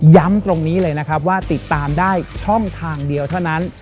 ตรงนี้เลยนะครับว่าติดตามได้ช่องทางเดียวเท่านั้น